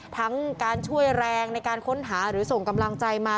ทั้งการช่วยแรงในการค้นหาหรือส่งกำลังใจมา